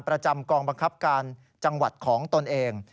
ประจำกองบังคับการจังหวัดของตนเอง